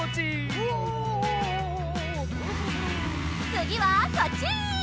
つぎはこっち！